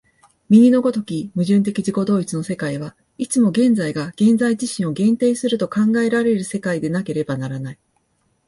右の如き矛盾的自己同一の世界は、いつも現在が現在自身を限定すると考えられる世界でなければならない。